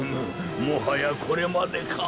もはやこれまでか。